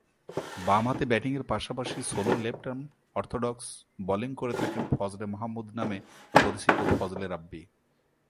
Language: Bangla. বামহাতে ব্যাটিংয়ের পাশাপাশি স্লো লেফট-আর্ম অর্থোডক্স বোলিং করে থাকেন ফজলে মাহমুদ নামে পরিচিত ফজলে রাব্বি।